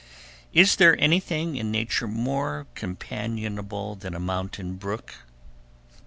Is there anything in nature more companionable than a mountain brook?